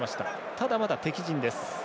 ただ、まだ敵陣です。